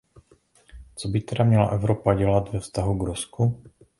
Co by tedy měla Evropa dělat ve vztahu k Rusku?